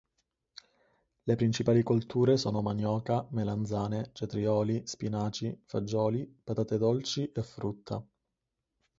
Le principali colture sono manioca, melanzane, cetrioli, spinaci, fagioli, patate dolci e frutta.